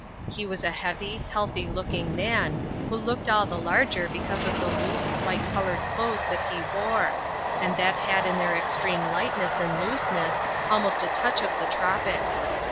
He was a heavy, healthy looking man, who looked all the larger because of the loose, light coloured clothes that he wore, and that had in their extreme lightness and looseness, almost a touch of the tropics.